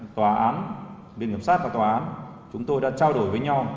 tòa án biên giám sát và tòa án chúng tôi đã trao đổi với nhau